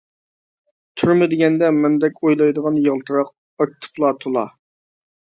تۈرمە دېگەندە مەندەك ئويلايدىغان يالتىراق ئاكتىپلار تولا.